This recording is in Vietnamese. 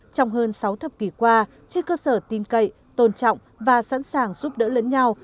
trong hơn sáu thập kỷ qua trên cơ sở tin cậy tôn trọng và sẵn sàng giúp đỡ lẫn nhau